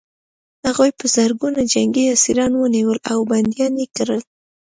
هغوی په زرګونه جنګي اسیران ونیول او بندیان یې کړل